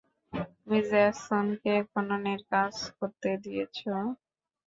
তুমি জ্যাসনকে খননের কাজ করতে দিয়েছ?